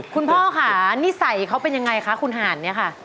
คุณพ่อค่ะนิสัยเขาเป็นยังไงคะคุณหานเนี่ยค่ะ